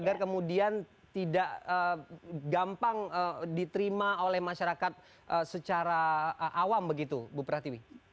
agar kemudian tidak gampang diterima oleh masyarakat secara awam begitu bu pratiwi